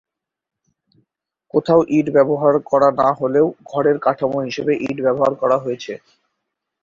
কোথাও ইট ব্যবহার করা না হলেও ঘরের কাঠামো হিসেবে ইট ব্যবহার করা হয়েছে।